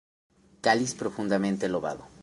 Cáliz profundamente lobado.